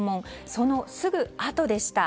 そのすぐあとでした。